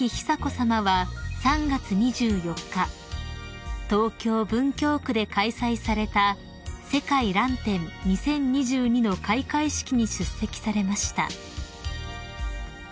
久子さまは３月２４日東京文京区で開催された世界らん展２０２２の開会式に出席されました］